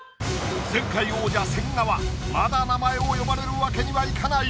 前回王者千賀はまだ名前を呼ばれるわけにはいかない。